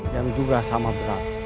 yang juga sama berat